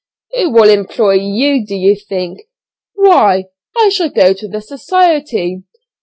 "Who'll employ you, do you think?" "Why, I shall go to the society."